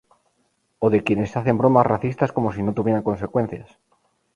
O de quienes hacen bromas racistas como si no tuvieran consecuencias.